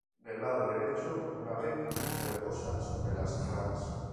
Del lado derecho un ave reposa sobre las ramas.